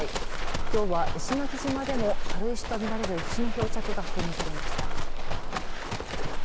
きょうは石垣島でも軽石と見られる石の漂着が確認されました。